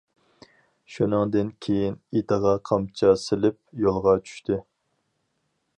شۇنىڭدىن كېيىن ئېتىغا قامچا سېلىپ يولغا چۈشتى.